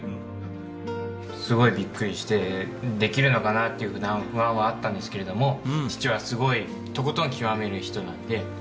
すごいビックリしてできるのかな？という不安はあったんですけれども父はすごいとことん極める人なので。